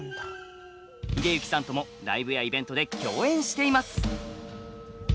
秀幸さんともライブやイベントで共演しています。